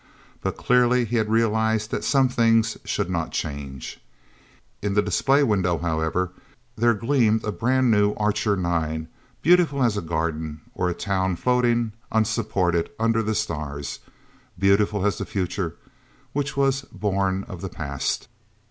But clearly he had realized that some things should not change. In the display window, however, there gleamed a brand new Archer Nine, beautiful as a garden or a town floating, unsupported, under the stars beautiful as the Future, which was born of the Past.